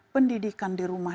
pendidikan di rumah